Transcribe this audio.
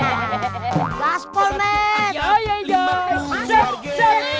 apakan sih kalian berdua